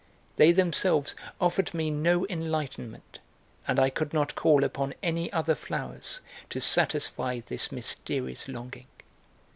They themselves offered me no enlightenment, and I could not call upon any other flowers to satisfy this mysterious longing.